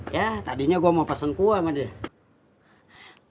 ya tadinya gue mau pesen kue sama dia